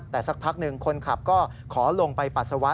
แต่สักพักหนึ่งคนขับก็ขอลงไปปัสสาวะ